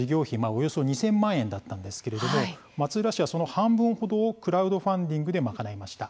およそ２，０００万円だったんですけれども松浦市はその半分ほどをクラウドファンディングで賄いました。